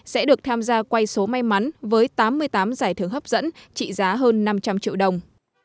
sẽ được tham gia quay số may mắn với tám mươi tám giải thưởng hấp dẫn trị giá hơn năm trăm linh triệu đồng